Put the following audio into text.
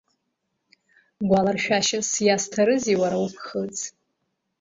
Гәаларшәашьас иасҭарызеи уара уԥхыӡ!